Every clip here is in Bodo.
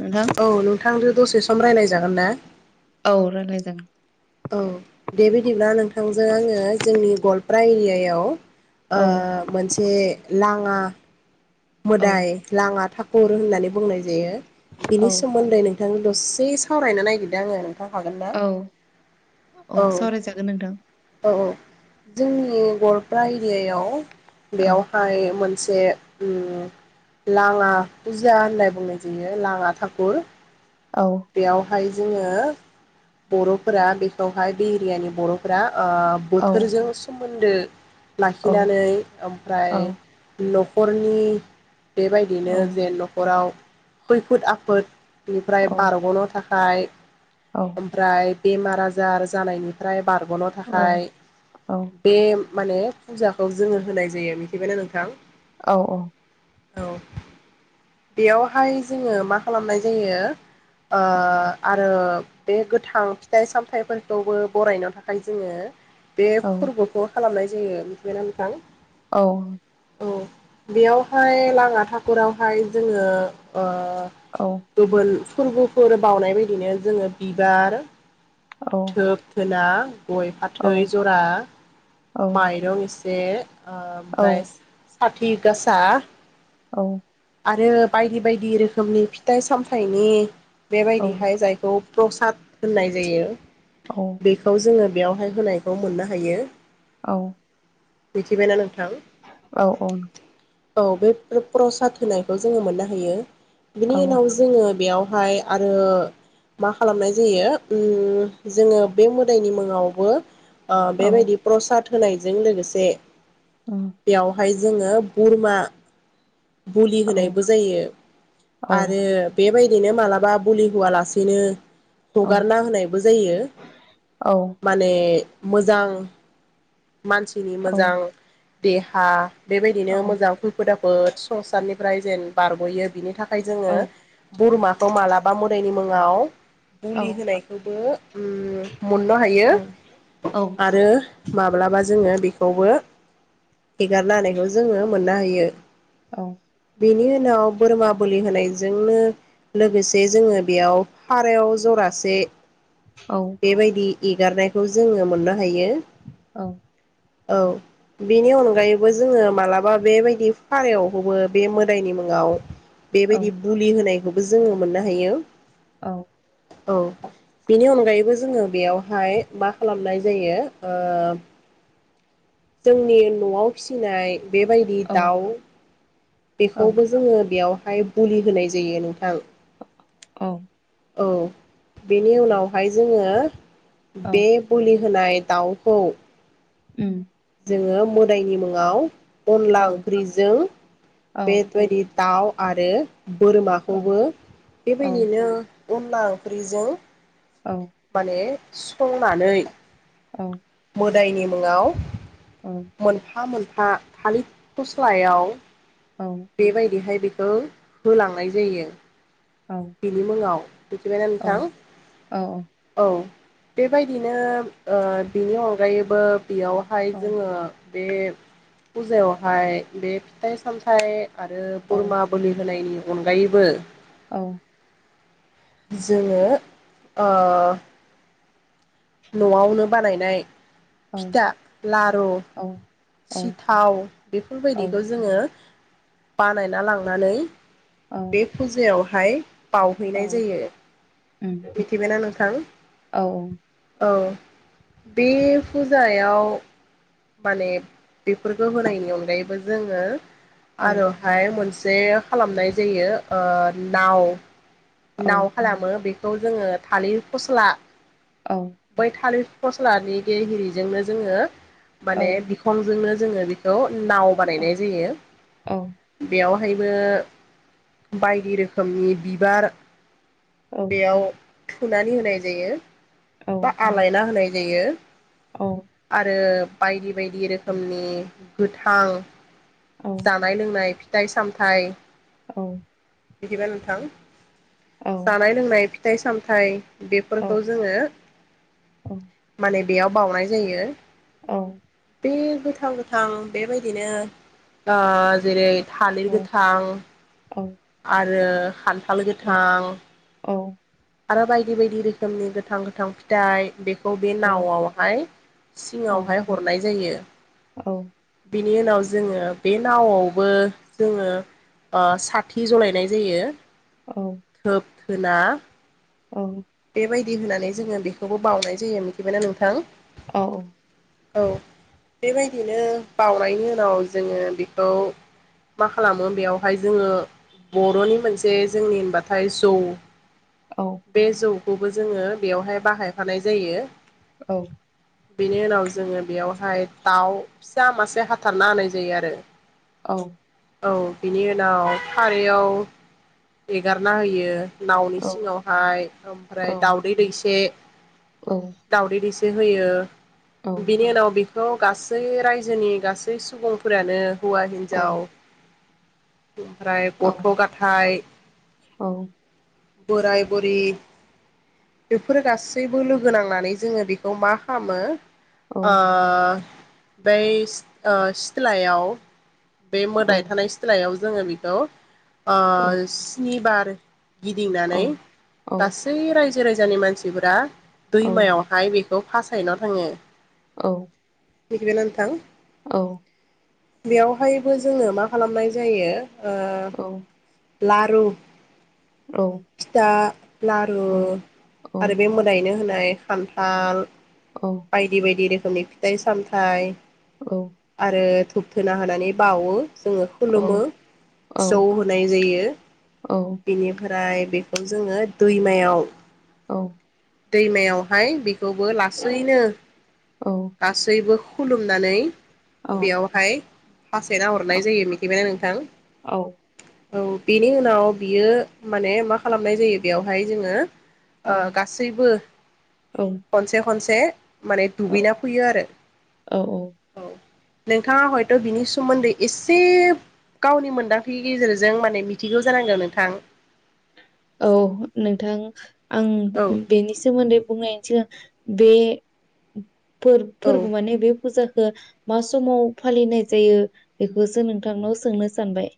नोंथां औ नोंथांजों दसे सम रायज्लाय जागोन ना औ रायलाय जागोन औ दे बिदिब्ला नोंथांजों आङो जोंनि गवालपारा एरियायाव औ मोनसे लाङा औ मोदाय लाङा [unintelligible] [unintelligible] होननानै बुंनाय जायो बिनि औ सोमोन्दै नोंथां दसे सावरायनो नागिरदों आङो [unintelligible] हागोनना औ औ सावरायजागोन नोंथां औ औ जोंनि गलपा एरियायाव औ बेयावहाय मोनसे लाङा फुजा होननाय बुंनाय जायो लाङा थाकुर औ दायो जोङो बर'फोरा बेखौहाय बे एरियानि बर'फोरा आ औ बोथोरजों सोमोन्दो औ लाखिनानै ओमफ्राय औ न'खरनि औ बेबायदिनो जे न'खराव खैफोद आफोद नि बारग'नो थाखाय औ ओमफ्राय बेमार आजार जानायनिफ्राय बार गनो औ थाखाय औ बे माने फुजाखौ जोङो होनाय जायो मिथिबायना नोंथां। औ औ औ बेयावहाय जोङो मा खालामनाय जायो आरो बे गोथां फिथाइ सामथाइफोरखौबो बरायनो थाखाय जोङो बे फोरबोखौ खालामनाय जायो मिथिबायना नोंथां औ। औ बेयावहाय लामा थाखुरावहाय जोङो औ बोबोल बावनाय बायदिनो जोङो बिबार [unintelligible] गय फाथै जरा माइरं एसे जे ओ ओमफ्राय साथि गासा औ। आरो बायदि बायदि रोखोमनि फिथाइ सामथाइनि बेबायदिहाय जायखौ प्रसाद होननाय जायो बेखौ जोङो बेयावहाय होनायखौ मोननो हायो। औ। मिथिबायना नोंथां। औ औ औ बे प्रसाद होनायखौ जोङो मोननो हायो बिनि उनाव जोङो बेयावहाय आरो मा खालामनाय जायो जोङो बे मोदायनि मुङावबो ओ बेबायदि प्रसाद होनायजों लोगोसे बेयावहाय जोङो बोरमा बलि होनायबो जायो आरो। बेबायदिनो मालाबा बुलि होवालासेनो हगारना होनायबो जायो। माने मोजां मानसिनि मोजां देहा बेबायदिनो मोजां खैफोद आफद फोद संसारनिफ्राय जेन बारग'यो बिनि थाखाय जोङो बोरमाखौ मालाबा मोदाय मुङाव बुलि होनायखौबो मोननो हायो आरो बा जोङो बेखौबो हेगारना होनायखौ जोङो मोननो हायो औ बिनि उनाव बोरमा बोलि होनायजोंनो लोगोसे जोङो बेयाव फारायाव जरासे बेबायदि एगारनायखौ जोङो मोननो हायो औ। बेनि अनगायैबो जोङो मालाबा बेबायदि फारायाव हबो बे मोदायनि मुङाव बेबायदि बुलि होनायखौबो जोङो मोननो हायो औ। औ बिनि अनगायै बो जोङो बेयावहाय मा खालामनाय जायो ओ जोंनि न'आव फिसिनाय बेबायदि औ दाउ औ बेखौबो जोङो बेयावहाय बुलि होनाय जायो नोंथां औ औ बेनि उनावहाय जोङो बे औ बलि होनाय दाउखौ उम जोङो मोदायनि मुङाव अनला औ ओंख्रिजों औ बेबायदि दाउ आरो औ बोरमाखौबो औ बेबायदिनो अनला ओंख्रिजों औ माने संनानै औ गोदायनि मुङाव औ मोनफा मोनफा थालिर फस्लायाव बेबायदिहाय बेखौ होलांनाय जायो औ बिनि मुङाव मिथिबायना औ नोंथां औ बेबायदिनो ओ बिनि अनगायैबो बेयावहाय जोङो बे फुजायावहाय बे फिथाइ सामथाइ आरो बोरमा बोलि होनायनि अनगायैबो औ जोङो ओ न'आवनो बानायनाय औ फिथा लारु सिथाव बेफोरबायदिखौ औ जोङो बानायना लांनानै बे फुजायावहाय बावहैनाय जायो उम मिथिबायना नोंथां। औ औ बे फुजायाव माने बेफोरखौ होनायनि अनगायैबो जोङो आरोहाय मोनसे खालामनाय जायो ओ नाव। औ नाव खालामो बेखौ जोङो थालिर फस्ला बै थालिर फस्लानि गेहजोंनो जोङो औ औ माने बिखंजोंनो जोङो बेखौ नाव औ बानायनाय जायो। औ बेयाव हायबो बायदि रोखोमनि बिबार बेयाव थुनानै होनाय जायो बा आलायना होनाय जायो। आरो बायदि- बायदि रोखोमनि गोथां जानाय- लोंनाय फिथाइ सामथायाइ औ। बिदिबा नोंथां जानाय- लोंनाय, फिथाइ- सामथायाइ बेफोरखौ जोङो माने बेयाव बउनाय जायो। औ। बे गोथां- गोथां बेबायदिनो जेरै- थालिर गोथां आरो खान्थाल गोथां आरो बायदि बायदि रोखोमनि गोथां गोथां फिथाइ बे बे नावहाय सिङावहाय हरनाय जायो। बेनि उनाव जोङो बे नावआवबो जोङो सा थि जलायनाय जायो। धोब धुना औ। बेबायदि होनानै जोङो बेखौबो बावनाय जायो मिथिबायना नोंथां। औ औ। औ बेबायदिनो बानायनि उनाव जोङो बेखौ मा खालामो बेयावहाय जोङो बर'नि मोनसे जोंनि होनबाथाय जौ बे जौखौबो जोङो बेयावहाय बाहायफानाय जायो। बेनि उनाव जोङो बेयाव ओमफ्राय दाउ फिसा मासे हाथारना होनाय जायो आरो। औ। औ बिनि उनाव खारैयाव एगारना होयो। औ नावनि औ औ सिङावहाय औ ओमफ्राय दावदै दैसे औ दउदै दैसे होयो। औ बिनि उनाव बे बेखौ गासै रायजोनि गासै सुबुंफोरानो हौवा- औ हिन्जाव ओमफ्राय औ गथ' गाथाइ औ। बराय- बुरि बेफोरो गासैबो लोगो नांनानै जोङो बेखौ मा खालामो ओ बै सिथ्लायाव बे औ मोदाय थानाय सित्लायाव जोङो बेखौ स्निबार औ गिदिंनानै गासै रायजो राजानि मानसिफोरा औ दैमायावहाय बे खौ फासायना थाङो। औ। दिग्रि नोंथां। औ। बेवहायबो जोङो मा खालामनाय जायो ओ लारुब। औ। आ लारु आरो बे मोदायैनो होनाय खान्थाल। बायदि बायदि रोखोमनि फिथाइ सामथाइ आरो हुबथोना होनानै बावो जोङो खुलुमो फिसौ होनाय जायो। औ औ बिनिफ्राय बेखौ जोङो दैमायाव औ। दैमायावहाय बिखौबो लासैनो लासैबो ह खुलुमनानै बेयावहाय फासायना हरनाय जायो मिथिबायना नोंथां। औ बेनि उनाव बियो माने मा खालामनाय जायो बेवहाय जोङो ओ गासैबो खनसे खनसे माने दुगैना फ [unintelligible] औ औ। नोंथाङा हयथ' बिनि समोन्दै एसेब गावनि मोनदांथिनि गेजेरजों माने मिथिगौ जानांगौ नोंथां। औ नोंथां आं औ बेनि सोमोन्दै बुंनायनि सिगां। बे फोर औ फोरबो माने बे फुजाख। खो मा समाव फालिनाय जायो बेखौसो नोंथांनाव सोंनो सानबाय।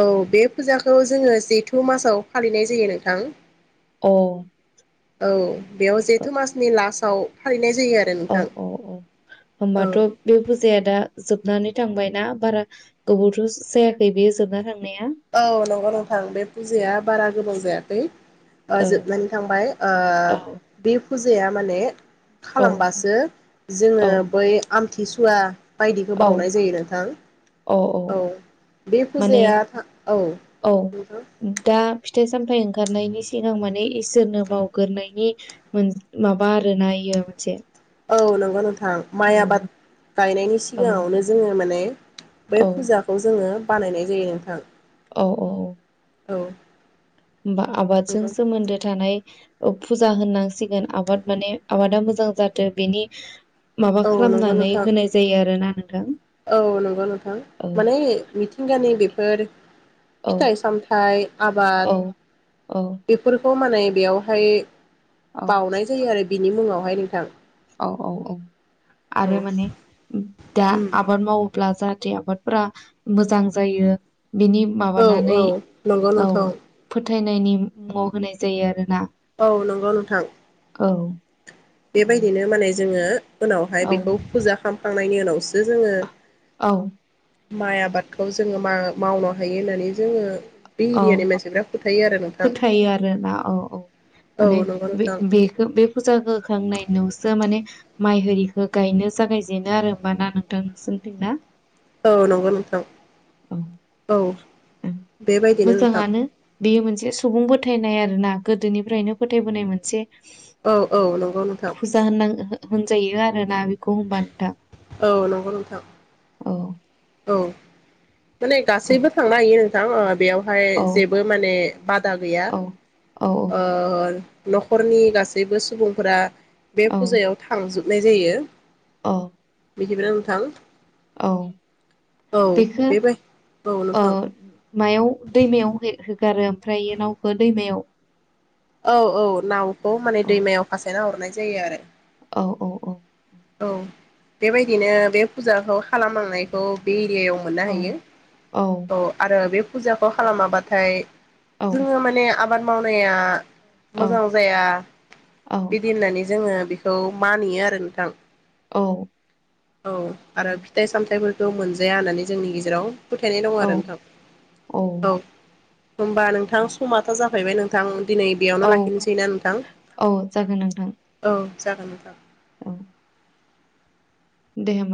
औ बे फुजाखौ जोङो जेथु मासाव फालिनाय जायो नोंथां। औ। औ बेयाव जेथो मासनि लासाव फालिनाय जा औ औ औ औ होनबाथ' बे फुजाया दा। जोबनानै थांबाय ना बारा गोबावथ' जायाखै बेयो जोबना थां औ नंगौ नोंथां बे फुजाया बारा गोबाव जायाखै। ओ औ जोबनानै थांबाय ओ औ बे फुजाया माने। औ खालामबासो जोङो औ बै आमथिसुवा। बायदिखौ बावउनाय औ जायो नोंथां औ बे माने फुजायाथा औ दा दा फिथाइ सामथाइ ओंखारनायनि सिगां माने इसोरनो बावगोरनायनि मोन माबा आरोना नायोआ मोनसे। औ नंगौ नोंथां औ माइ आबाद गायनायनि औ सिगाङावनो जोङो माने बै औ फुजाखौ जोङो बानायनाय जायो नोंथां। औ औ औ। औ। बा आबादजों सोमोन्दो थानाय। ओ फुजा होननांसिगोन आबाद माने आबादा मोजां जाथो बेनि माबा औ नंगौ खालामनानै नोंथां होनाय जायो आरो ना नों औ नंगौ नोंथां माने मिथिंगानि बेफोर। औ फिथाइ सामथाइ औ आबाद बेफोरखौ। माने बेयावहाय औ बावउनाय जायो आरो बिनि मुङावहाय नोंथां। औ औ औ औ आरो माने दा उम आबाद मावोब्ला जाग थे आबादफोरा मोजां जायो। बिनि औ माबानानै औ नंगौ औ नोंथां फोथायनायनि मुङाव होनाय जायो आरोना। औ नंगौ नोंथां। औ बेबायदिनो माने जोङो उनावहाय औ बेखौ फुजा खालामखांनायनि उनावसो जोङो औ। माइ आबादखौ जोङो मावनो हायो होननानै जोङो। बे औ एरियानि मानसिफ्रा फोथायो आरो नोंथां फोथायो आरोना औ औ। औ माने नंगौ बे नोंथां बेखौ बे फुजाखो। थांनाय नावसो माने माइ आरिखौ गायनो जागायजेनो आरो हमबाना नों। थां नोसोनिथिं ना। औ नंगौ नोंथां औ औ ओं बेबायदिनो नोंथां। मोजाङानो बेयो मोनसे सुबुं फोथायनाय आरो ना गोदोनिफ्रायनो फोथायबोनाय मोनसे। औ औ नंगौ नोंथां। फुजा होननां होनजायो आरोना बेखौ होनबा नोंथां। औ नंगौ नोंथां‌। औ औ माने औ गासैबो थांनो हायो नोंथां बेयावहाय औ जेबो माने। बादा गैया औ औ ओ न'खरनि गासैबो सुबुंफोरा। बे औ फुजायाव थांजोबनाय जायो। औ। मिथाबायना नोंथां। औ औ बेखौ बेबाय औ मायाव दैमायाव होगारो ओमफ्राय इनावखौ दैमायाव औ औ नावखौ माने अ दैमायाव फासायना हरनाय जायो आरो। औ औ औ औ बेबायदिनो बे फुजाखौ खालामहानायखौ बे देयाव मोननो औ हायो औ आरो बे फुजाखौ खालामाबाथाय औ जोङो माने आबाद मावनाया औ मोजां जाया औ बिदि होननानै जोङो बेखौ मानियो आरो नोंथां। औ औ आरो फिथाइ सामथायाइफोरखौ मोनजाया होननानै जोंनि गेजेराव फोथायनाय दं आरो औ नोंथां औ होनोमबा नोंथां समाथ' जाफैबाय नोंथां। दिनै बेयावनो औ लाखिनोसै ना नोंथां औ जागोन नोंथां? अ दे होमबा